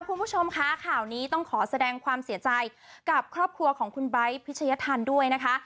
คุณผู้ชมคะข่าวนี้ต้องขอแสดงความเสียใจกับครอบครัวของคุณไบท์พิชยธรรมด้วยนะคะ